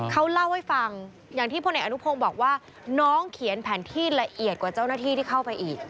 เขาเล่าให้ฟังอย่างที่พลเอกอนุพงศ์บอกว่าน้องเขียนแผนที่ละเอียดกว่าเจ้าหน้าที่ที่เข้าไปอีก